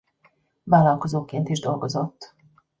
Vállalkozóként is dolgozott.